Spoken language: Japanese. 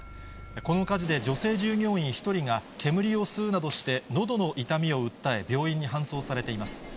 この火事で女性従業員１人が煙を吸うなどして、のどの痛みを訴え、病院に搬送されています。